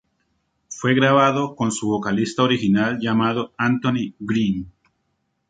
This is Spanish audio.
Fue grabado con su vocalista original llamado Anthony Green.